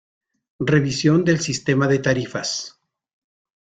Revisión del sistema de tarifas.